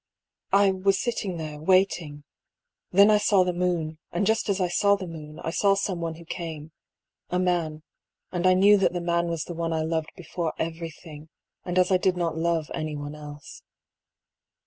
I was sitting there, waiting. Then I saw the moon, and just as I saw the moon, I saw some one who came — a man ; and I knew that the man was the one I loved be fore everything, and as I did not love anyone else."